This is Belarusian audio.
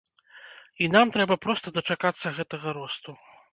І нам трэба проста дачакацца гэтага росту.